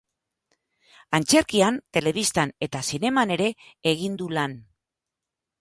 Antzerkian, telebistan eta zineman ere egin du lan.